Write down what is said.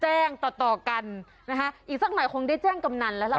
แจ้งต่อต่อกันนะคะอีกสักหน่อยคงได้แจ้งกำนันแล้วล่ะ